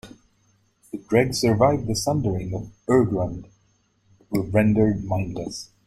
The Dreggs survived the sundering of Urgrund, but were rendered mindless.